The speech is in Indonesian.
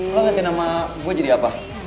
lo ngasih nama gue jadi apa